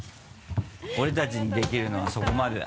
俺たちにできるのはそこまでだ。